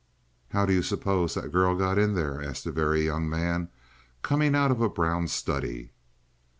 "How do you suppose that girl got in there?" asked the Very Young Man, coming out of a brown study.